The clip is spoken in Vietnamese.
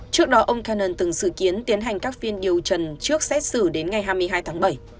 trước đó ông kennedon từng dự kiến tiến hành các phiên điều trần trước xét xử đến ngày hai mươi hai tháng bảy